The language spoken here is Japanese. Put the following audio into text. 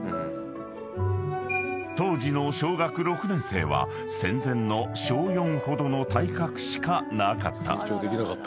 ［当時の小学６年生は戦前の小４ほどの体格しかなかった］